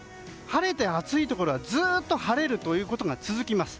晴れて暑いところはずっと晴れるということが続きます。